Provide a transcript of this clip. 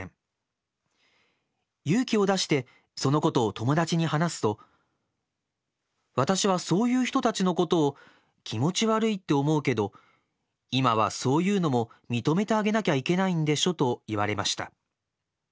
勇気をだしてそのことを友達に話すと『私はそういう人たちのことを気持ち悪いって思うけど今はそういうのも認めてあげなきゃいけないんでしょ』と言われました。